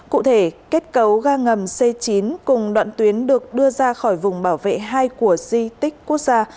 cụ thể kết cấu ga ngầm c chín cùng đoạn tuyến được đưa ra khỏi vùng bảo vệ hai của di tích quốc gia